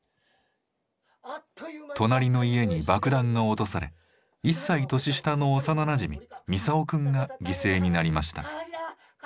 隣の家に爆弾が落とされ１歳年下の幼なじみミサオくんが犠牲になりました。